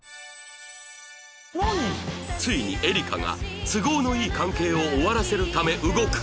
ついにエリカが都合のいい関係を終わらせるため動く！